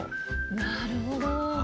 なるほど。